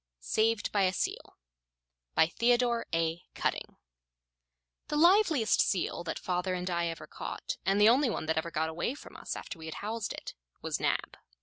SAVED BY A SEAL By Theodore A. Cutting The liveliest seal that father and I ever caught, and the only one that ever got away from us after we had housed it, was Nab.